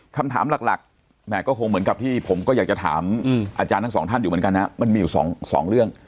คำถามหลักแหมก็คงเหมือนกับที่ผมก็อยากจะถามอาจารย์ทั้งสองท่านอยู่เหมือนกันนะมันมีอยู่สองเรื่อง